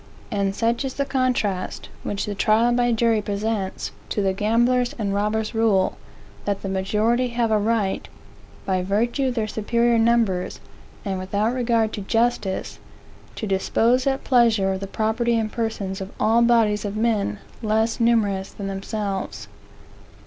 And such is the contrast, which the trial by jury presents, to that gambler's and robber's rule, that the majority have a right, by virtue of their superior numbers, and without regard to justice, to dispose at pleasure of the property and persons of all bodies of men less numerous than themselves.